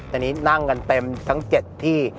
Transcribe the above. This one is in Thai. ตอนนี้นั่งกันเต็มทั้ง๗ที่